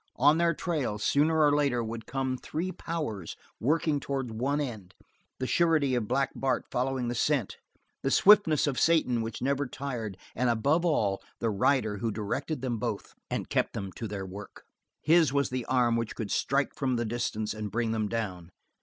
On their trail, sooner or later, would come three powers working towards one end, the surety of Black Bart following a scent, the swiftness of Satan which never tired, and above all the rider who directed them both and kept them to their work. His was the arm which could strike from the distance and bring them down.